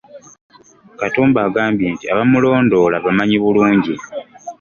Katumba agambye nti abamulondoola abamanyi bulungi.